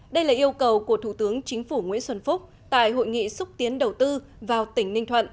đây là yêu cầu của thủ tướng chính phủ nguyễn xuân phúc tại hội nghị xúc tiến đầu tư vào tỉnh ninh thuận